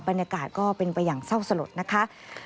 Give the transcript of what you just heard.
บรรยากาศก็เป็นไปอย่างเศร้าสลดนะคะ